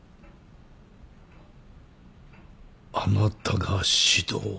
あなたが指導を？